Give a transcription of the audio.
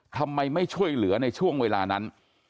ทำไมไม่ช่วยเหลือในช่วงเวลานั้น